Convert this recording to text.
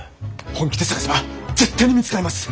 本気で捜せば絶対に見つかります。